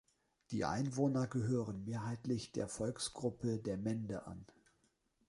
Die Einwohner gehören mehrheitlich der Volksgruppe der Mende an.